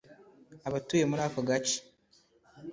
Abatuye muri ako gace